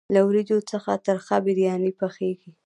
له وریجو څخه ترخه بریاني پخیږي.